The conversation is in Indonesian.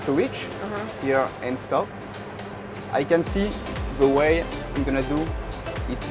jadi saya memilih kudang yang ingin saya pilih